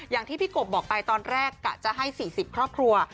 อย่างที่พี่กบบอกไปตอนแรกกะจะให้๔๐ครอบครัว